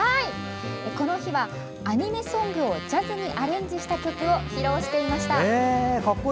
この日は、アニメソングをジャズにアレンジした曲を披露していました。